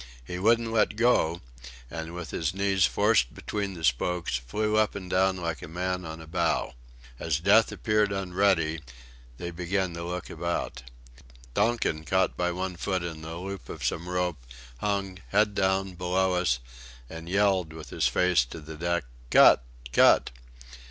He wouldn't let go, and, with his knees forced between the spokes, flew up and down like a man on a bough. As Death appeared unready, they began to look about. Donkin, caught by one foot in a loop of some rope, hung, head down, below us, and yelled, with his face to the deck: "Cut! Cut!"